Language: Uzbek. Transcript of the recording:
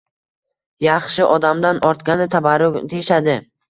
Yaxshi odamdan ortgani – tabarruk, deyishadi